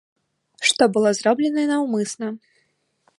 Што было зроблена наўмысна.